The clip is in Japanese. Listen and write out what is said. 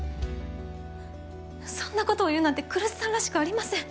そんなことを言うなんて来栖さんらしくありません。